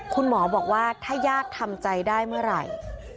คุณหมอบอกว่าถ้าญาติทำใจได้เมื่อไหร่